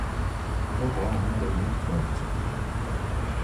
Vovó ainda é muito forte